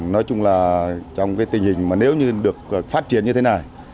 nói chung là trong cái tình hình mà nếu như được phát triển như thế này